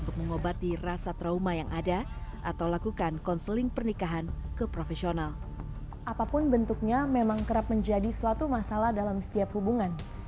tapi ada hal yang paling penting juga yang menurut saya agak susah dilakukan